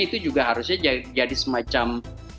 itu juga harusnya jadi semacam